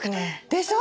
でしょ？